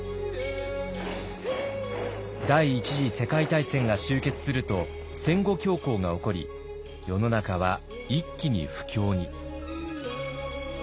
第一次世界大戦が終結すると戦後恐慌が起こり世の中は一気に不況に。